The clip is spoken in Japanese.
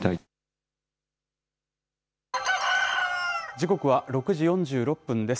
時刻は６時４６分です。